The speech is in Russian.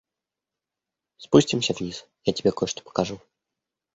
Спустимся вниз, я тебе кое-что покажу.